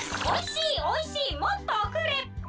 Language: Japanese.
「おいしいおいしいもっとおくれ！」。